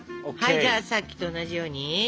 じゃあさっきと同じように。